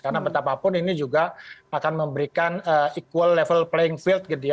karena betapapun ini juga akan memberikan equal level playing field gitu ya